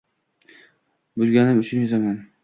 buzganim uchun yozaman.